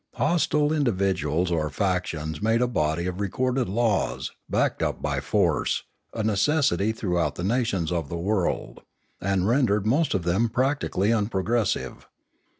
Hostile individuals or factions made a body of recorded laws, backed up by force, a necessity throughout the nations of the world, and rendered most of them practically unprogressive.